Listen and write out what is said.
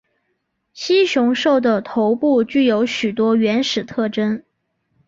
蜥熊兽的头部具有许多原始特征。